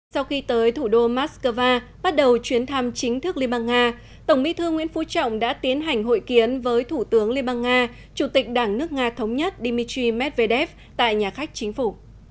sau khi tới thủ đô moscow bắt đầu chuyến thăm chính thức liên bang nga tổng bí thư nguyễn phú trọng đã tiến hành hội kiến với thủ tướng liên bang nga chủ tịch đảng nước nga thống nhất dmitry medvedev tại nhà khách chính phủ